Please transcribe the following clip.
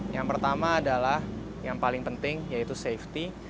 yang pertama adalah yang paling penting yaitu safety